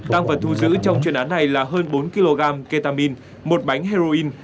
tăng vật thu giữ trong chuyên án này là hơn bốn kg ketamine một bánh heroin